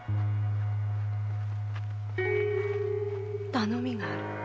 頼みがある。